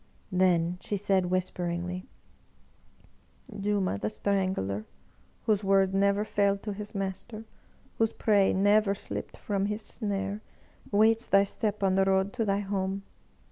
Then she said whisperingly : "Juma the Strangler, whose word never failed to his master, whose prey never slipped from his snare, waits thy step on the road to thy home